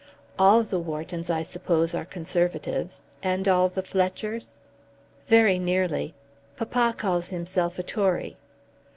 "All the Whartons, I suppose, are Conservatives, and all the Fletchers." "Very nearly. Papa calls himself a Tory."